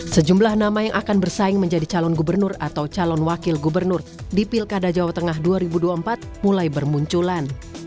sejumlah nama yang akan bersaing menjadi calon gubernur atau calon wakil gubernur di pilkada jawa tengah dua ribu dua puluh empat mulai bermunculan